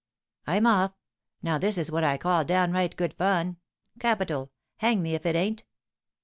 "I'm off! Now this is what I call downright good fun. Capital; hang me if it ain't!"